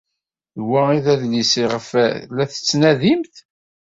D wa ay d adlis ayɣef la tettnadimt?